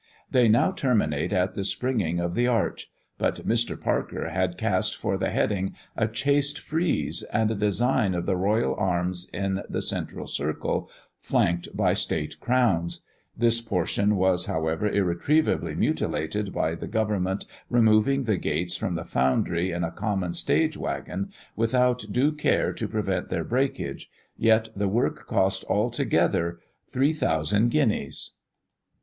They now terminate at the springing of the arch; but Mr. Parker had cast for the heading a chaste frieze, and a design of the royal arms in the central circle, flanked by state crowns: this portion was, however, irretrievably mutilated by the Government removing the gates from the foundry in a common stage waggon, without due care to prevent their breakage; yet the work cost, altogether, 3000 guineas!